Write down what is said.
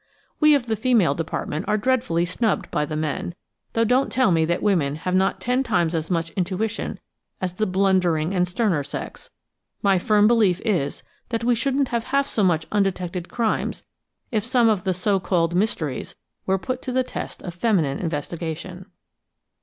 We of the Female Department are dreadfully snubbed by the men, though don't tell me that women have not ten times as much intuition as the blundering and sterner sex; my firm belief is that we shouldn't have half so many undetected crimes if some of the so called mysteries were put to the test of feminine investigation.